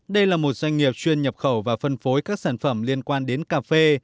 đây là một doanh nghiệp chuyên nhập khẩu và phân phối các sản phẩm liên quan đến cà phê